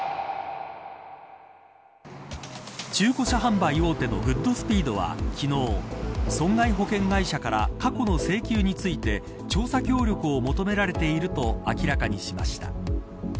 中古車販売大手のグッドスピードは昨日、損害保険会社から過去の請求について調査協力を求められていると明らかにしました。